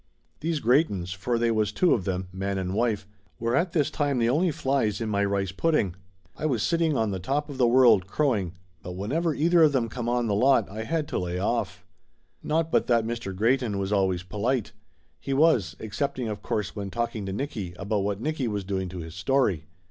These Greytons, for they was two of them, man and wife, were at this time the only flies in my rice pudding. I was sitting on the top of the world crow ing, but whenever either of them come on the lot I had to lay off. Not but that Mr. Greyton was always po lite. He was, excepting of course when talking to Nicky about what Nicky was doing to his story.